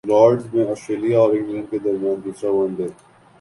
Lords میں Australia اور England کے درمیان دوسرا ون ڈے